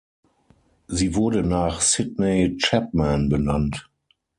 Sie wurde nach Sydney Chapman benannt.